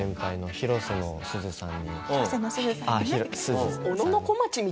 広瀬のすずさん？